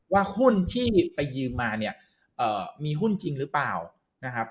ว่าหุ้นที่ไปยืมมาเนี่ยมีหุ้นจริงหรือเปล่านะครับ